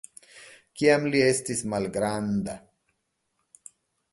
Kiam li estis malgranda.